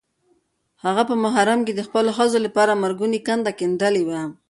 هغه په حرم کې د خپلو ښځو لپاره مرګونې کنده کیندلې وه.